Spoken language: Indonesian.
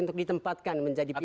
untuk ditempatkan menjadi pimpinan